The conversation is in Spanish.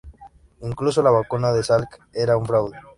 Incluso la vacuna de Salk era un fraude.